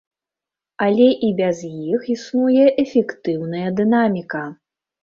Але і без іх існуе эфектыўная дынаміка.